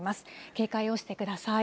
警戒をしてください。